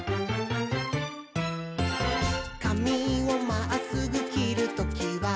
「かみをまっすぐきるときは」